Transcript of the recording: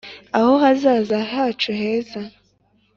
Aho hazaza hacu heza